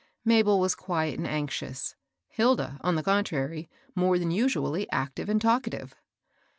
Mabel was quiet and anxious; Hilda, on the contrary, more than usually active and talkative.